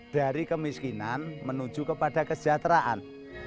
dari kemiskinan menuju kepada kesejahteraan